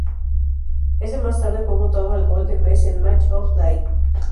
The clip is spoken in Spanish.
Ese más tarde fue votado el gol del mes en "Match of the Day".